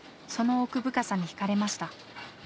その奥深さに引かれました。